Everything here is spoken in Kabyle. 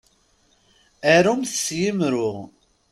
Arumt s yimru.